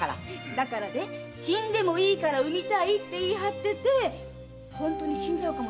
だからね死んでもいいから産みたいって言い張っててホントに死んじゃうかもしれなくてさ。